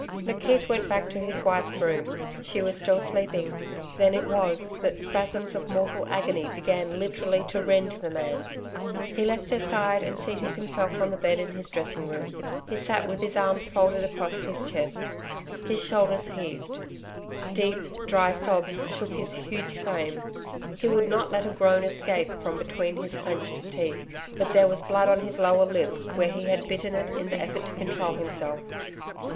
McKeith went back to his wife's room. She was still sleeping. Then it was that spasms of mortal agony began literally to rend the man. He left her side and seated himself on the bed in his dressing room. He sat with his arms folded across his chest. His shoulders heaved. Deep dry sobs shook his huge frame. He would not let a groan escape from between his clenched teeth, but there was blood on his lower lip where he had bitten it in the effort to control himself.